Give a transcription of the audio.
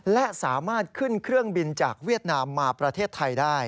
และสามารถขึ้นเครื่องบินจากเวียดนามมาประเทศไทยได้